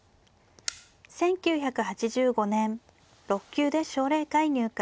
１９８５年６級で奨励会入会。